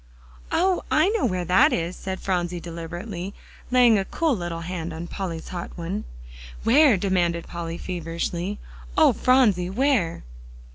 "Oh! I know where that is," said Phronsie deliberately, laying a cool little hand on Polly's hot one. "Where?" demanded Polly feverishly. "Oh, Phronsie! where?"